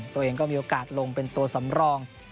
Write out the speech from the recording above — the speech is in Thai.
ตัวเองก็มีโอกาสลงเป็นตัวสำรอง